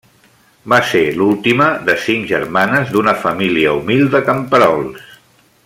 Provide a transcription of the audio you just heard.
Va ser l'última de cinc germanes d'una família humil de camperols.